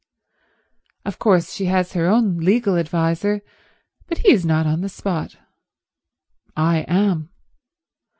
"Of course she has her own legal adviser, but he is not on the spot. I am.